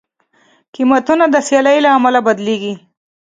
قیمتونه د سیالۍ له امله بدلېږي.